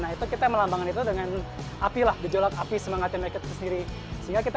itu kita melambangkan itu dengan apilah gejolak api semangat yang mereka sendiri sehingga kita